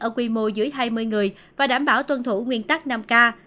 ở quy mô dưới hai mươi người và đảm bảo tuân thủ nguyên tắc năm k